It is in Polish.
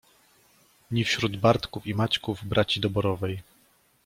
Ni wśród Bartków i Maćków braci doborowej